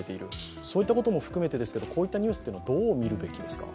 そういったことも含めて、こういったニュースはどう見るべきですか。